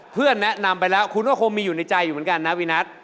เพื่อนแนะนำไปแล้วคุณก็คงมีอยู่ในใจอยู่เหมือนกันนะวีนัท